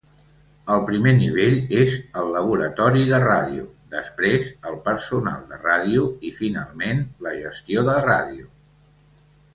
El primer nivell és el laboratori de ràdio, després el personal de ràdio i, finalment, la gestió de ràdio.